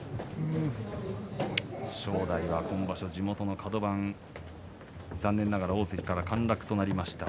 正代は今場所地元のカド番残念ながら大関から陥落となりました。